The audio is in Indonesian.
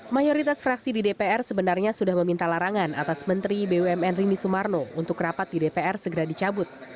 mayoritas fraksi di dpr sebenarnya sudah meminta larangan atas menteri bumn rini sumarno untuk rapat di dpr segera dicabut